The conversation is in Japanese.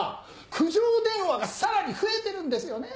苦情電話がさらに増えてるんですよね。